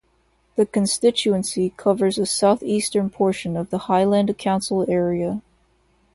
The constituency covers a south-eastern portion of the Highland council area.